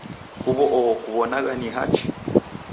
Huw'u oho kuw'onagha ni hachi?